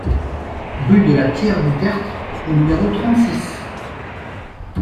Rue de la Pierre du Tertre au numéro trente-six